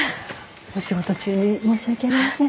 お仕事中に申し訳ありません。